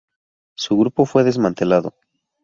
Su grupo fue desmantelado.